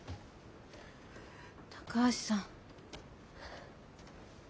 高橋さん。